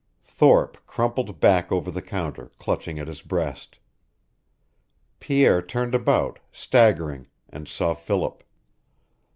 Thorpe crumpled back over the counter, clutching at his breast. Pierre turned about, staggering, and saw Philip.